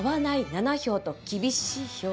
７票と厳しい評価。